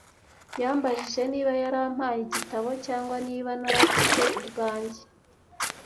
Yambajije niba yarampaye igitabo, cyangwa niba naraguze ubwanjye.